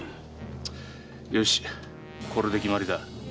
よしこれで決まりだ。